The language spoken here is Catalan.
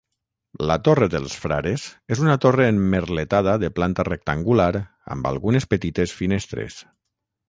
La Torre dels Frares és una torre emmerletada de planta rectangular amb algunes petites finestres.